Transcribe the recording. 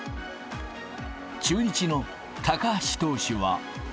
中日の高橋投手は。